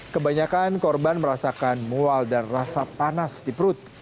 kebanyakan korban merasakan mual dan rasa panas di perut